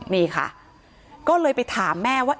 นี่ค่ะก็เลยไปถามแม่ว่า